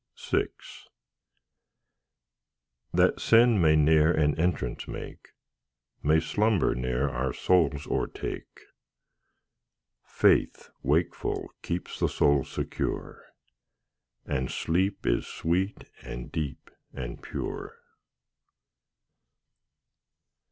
VI That sin may ne'er an entrance make, May slumber ne'er our souls o'ertake; Faith, wakeful, keeps the soul secure, And sleep is sweet, and deep, and pure.